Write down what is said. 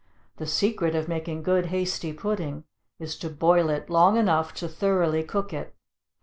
The secret of making good hasty pudding is to boil it long enough to thoroughly cook it.